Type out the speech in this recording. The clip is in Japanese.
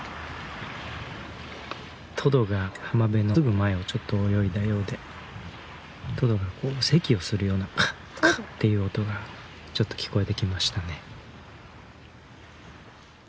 トドが浜辺のすぐ前をちょっと泳いだようでトドがせきをするような「カッカッ」っていう音がちょっと聞こえてきましたね。